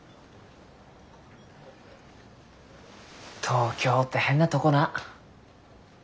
東京って変なとごな。